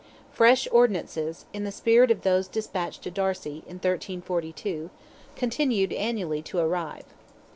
Fresh ordinances, in the spirit of those despatched to Darcy, in 1342, continued annually to arrive.